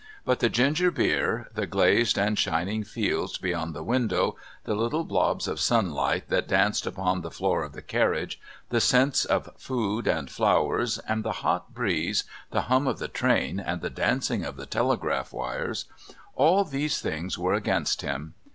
But the ginger beer, the glazed and shining fields beyond the window, the little blobs of sunlight that danced upon the floor of the carriage, the scents of food and flowers, and the hot breeze, the hum of the train, and the dancing of the telegraph wires all these things were against him.